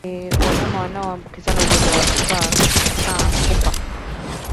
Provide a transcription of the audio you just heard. Wanyama wanao ambukizwa ugonjwa wa kichaa hufa